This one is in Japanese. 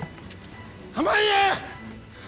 濱家！